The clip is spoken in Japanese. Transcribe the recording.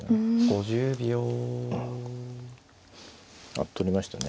あっ取りましたね。